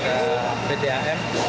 saya memang sudah berjaga